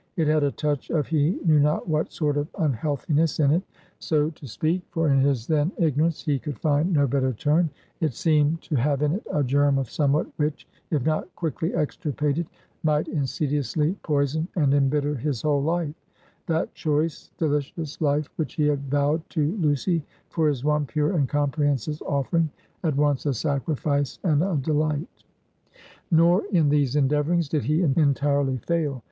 It had a touch of he knew not what sort of unhealthiness in it, so to speak; for, in his then ignorance, he could find no better term; it seemed to have in it a germ of somewhat which, if not quickly extirpated, might insidiously poison and embitter his whole life that choice, delicious life which he had vowed to Lucy for his one pure and comprehensive offering at once a sacrifice and a delight. Nor in these endeavorings did he entirely fail.